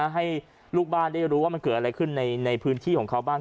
ให้ลูกบ้านได้รู้ว่ามันเกิดอะไรขึ้นในพื้นที่ของเขาบ้าง